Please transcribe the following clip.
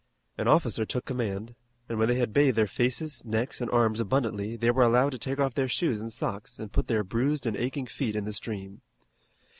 An officer took command, and when they had bathed their faces, necks, and arms abundantly they were allowed to take off their shoes and socks and put their bruised and aching feet in the stream.